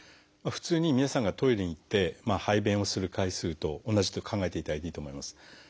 普通に皆さんがトイレに行って排便をする回数と同じと考えていただいていいと思います。